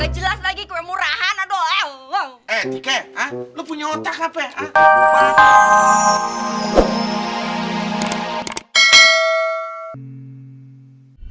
jelas lagi ke murahan aduh eh eh eh eh eh eh eh eh eh eh eh eh eh eh eh eh eh eh eh eh eh